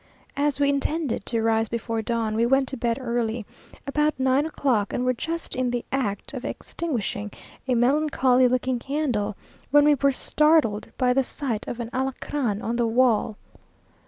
As we intended to rise before dawn, we went to bed early, about nine o'clock, and were just in the act of extinguishing a melancholy looking candle, when we were startled by the sight of an alacran on the wall.